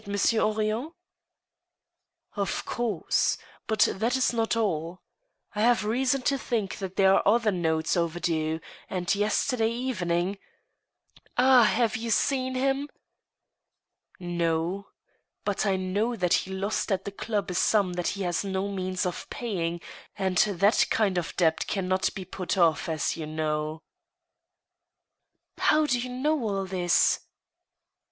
Monsieur Henrion ?"" Of course. But that is not all. I have reason to think that there are other notes overdue, and yesterday evening —"" Ah ! have you seen him ?"" No. But I know that he lost at the club a sum that he has no medns of paying, and that kind of debt can not be put off, as you know." " How do you know all this